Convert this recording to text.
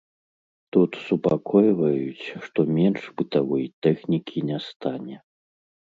Тут супакойваюць, што менш бытавой тэхнікі не стане.